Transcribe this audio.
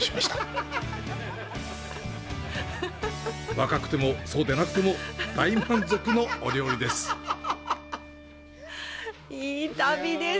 若くても、そうでなくても、大満足のお料理です。